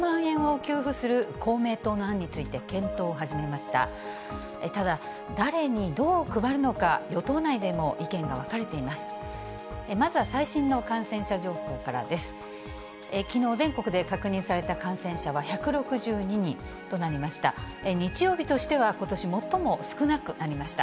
きのう、全国で確認された感染者は１６２人となりました。